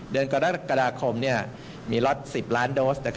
เดือนกรกฎาคมมีล็อต๑๐ล้านโดส